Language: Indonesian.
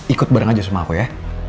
ikut bareng aja sama aku ya